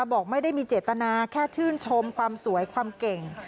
บอกไม่ได้มีเจตนาแค่ชื่นชมความสวยความเก่ง